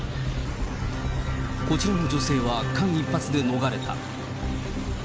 こちらの女性は、間一髪で逃れた。